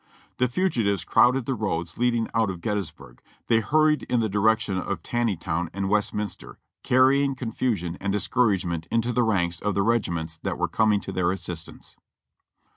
"The fugitives crowded the roads leading out of Gettysburg; they hurried in the direction of Taneytown and Westminster, car rying confusion and discouragement into the ranks of the regi ments that w^ere coming to their assistance.